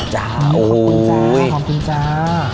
ขอบคุณจ้า